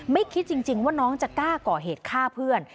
คิดจริงว่าน้องจะกล้าก่อเหตุฆ่าเพื่อน